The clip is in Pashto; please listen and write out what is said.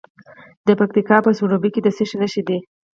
د پکتیکا په سروبي کې د څه شي نښې دي؟